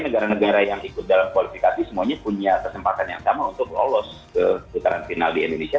negara negara yang ikut dalam kualifikasi semuanya punya kesempatan yang sama untuk lolos ke putaran final di indonesia